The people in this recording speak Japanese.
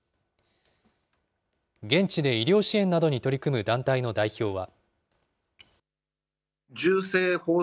現地で医療支援などに取り組む団体の代表は。